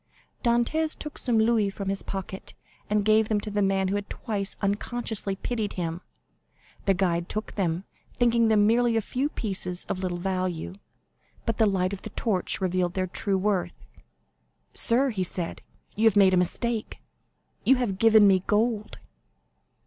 Dantès took some louis from his pocket, and gave them to the man who had twice unconsciously pitied him. The guide took them, thinking them merely a few pieces of little value; but the light of the torch revealed their true worth. "Sir," he said, "you have made a mistake; you have given me gold."